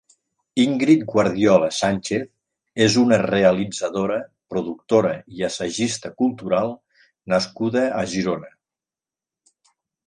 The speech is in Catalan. Ingrid Guardiola Sánchez és una realitzadora, productora i assagista cultural nascuda a Girona.